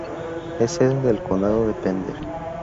Es sede del condado de Pender.